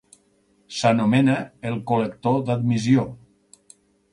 S'anomena el col·lector d'admissió.